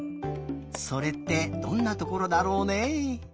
それってどんなところだろうね？